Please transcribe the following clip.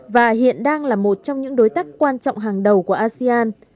và hiện đang là một trong những đối tác quan trọng hàng đầu của asean